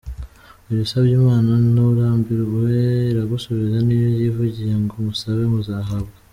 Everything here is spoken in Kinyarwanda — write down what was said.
iyo usabye Imana nturambirwe iragusubiza, niyo yivugiye ngo musabe muzahabwa.